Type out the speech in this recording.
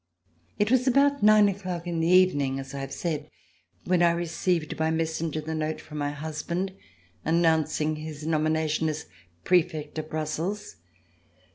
It was about nine o'clock in the evening, as I have said, when I received, by messenger, the note from my husband announcing his nomination as Prefect at Brussels.